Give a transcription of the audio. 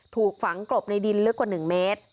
ถูกฝังกลบในดินลึกกว่า๑เมตร